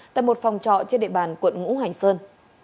tại một phòng trọ trên địa bàn quận ngũ hành sơn